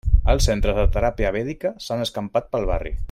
Els centres de teràpia vèdica s'han escampat pel barri.